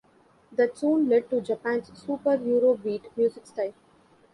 That soon lead to Japan's Super Eurobeat music style.